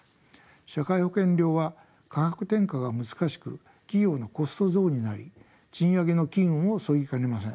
社会保険料は価格転嫁が難しく企業のコスト増になり賃上げの機運をそぎかねません。